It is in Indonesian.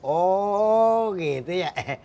oh gitu ya